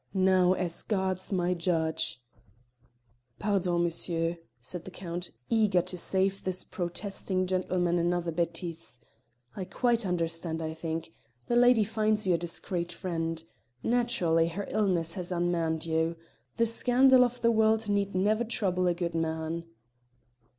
Now, as God's my judge " "Pardon, monsieur," said the Count, eager to save this protesting gentleman another bêtise; "I quite understand, I think, the lady finds you a discreet friend. Naturally her illness has unmanned you. The scandal of the world need never trouble a good man."